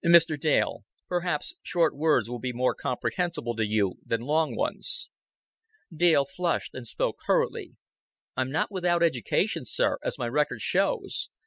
"Mr. Dale, perhaps short words will be more comprehensible to you than long ones." Dale flushed, and spoke hurriedly. "I'm not without education, sir as my record shows.